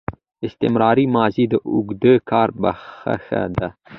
استمراري ماضي د اوږده کار نخښه ده.